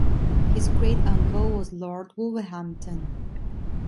His great uncle was Lord Wolverhampton.